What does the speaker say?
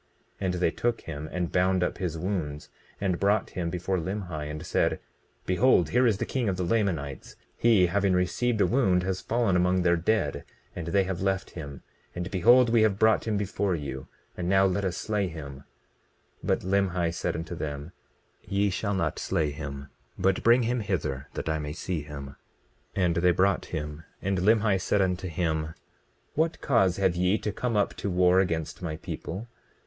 20:13 And they took him and bound up his wounds, and brought him before Limhi, and said: Behold, here is the king of the Lamanites; he having received a wound has fallen among their dead, and they have left him; and behold, we have brought him before you; and now let us slay him. 20:14 But Limhi said unto them: Ye shall not slay him, but bring him hither that I may see him. And they brought him. And Limhi said unto him: What cause have ye to come up to war against my people?